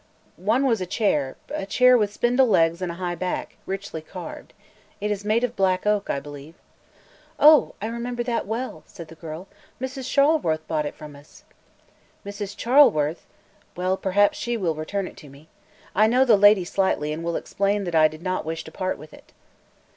"One was a chair; a chair with spindle legs and a high back, richly carved. It is made of black oak, I believe." "Oh, I remember that well," said the girl. "Mrs. Charleworth bought it from us." "Mrs. Charleworth? Well, perhaps she will return it to me. I know the lady slightly and will explain that I did not wish to part with it."